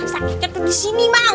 sakit ketat di sini mang